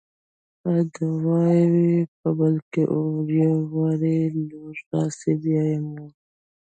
په دراوۍ يې بل کي اور _ يو وار يې لور راسي بيا مور